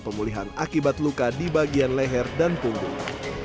pemulihan akibat luka di bagian leher dan punggung